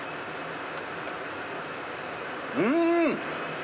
うん！！